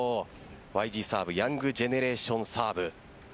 ＹＧサーブはヤングジェネレーションサーブ。